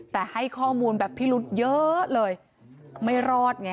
แต่ให้ข้อมูลแบบพิรุษเยอะเลยไม่รอดไง